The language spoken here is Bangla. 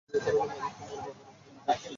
তোমাকে বিয়ে করানোর মাঝে তোমার বাবার অপরাধ কোথায়?